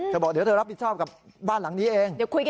เธอบอกเดี๋ยวเธอรับผิดชอบกับบ้านหลังนี้เอง